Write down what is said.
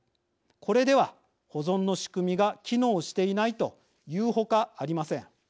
これでは保存の仕組みが機能していないと言うほかありません。